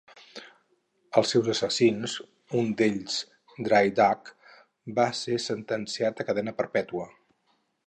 Els seus assassins, un d'ells "Dry Duck", van ser sentenciats a cadena perpètua.